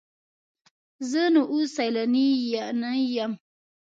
زه نو اوس سیلانی یم.